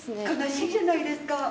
悲しいじゃないですか。